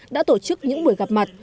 đã tổ chức những buổi gặp mặt